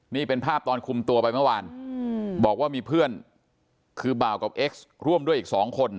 นี่เป็นภาพตอนคุมตัวไปเมื่อวานบอกว่ามีเพื่อนคือบ่าวกับเอ็กซ์ร่วมด้วยอีกสองคน